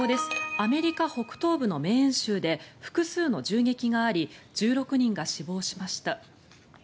アメリカ北東部のメーン州で複数の銃撃があり１６人が死亡しました。